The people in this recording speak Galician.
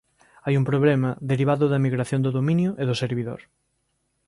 Hai un problema derivado da migración do dominio e do servidor